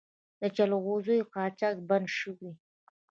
د جلغوزیو قاچاق بند شوی؟